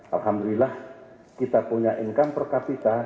alhamdulillah kita punya income per capita